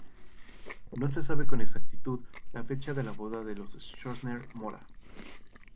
No se sabe con exactitud la fecha de boda de los Stroessner Mora.